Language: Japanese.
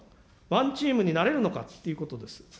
ワンチームになれるのかということです。